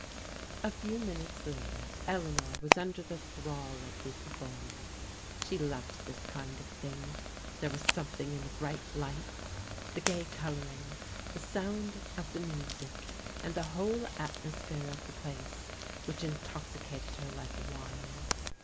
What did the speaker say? A few minutes later Eleanor was under the thrall of the performance. She loved this kind of thing. There was something in the bright lights, the gay colouring, the sound of the music, and the whole atmosphere of the place which intoxicated her like wine.